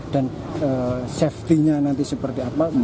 dan safety nya nanti seperti apa